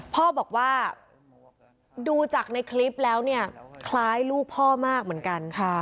พ่อบอกว่าดูจากในคลิปแล้วเนี่ยคล้ายลูกพ่อมากเหมือนกัน